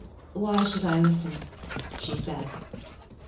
'Why should I listen?' she said.